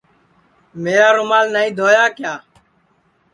میرا رومال نائی دھویا کیا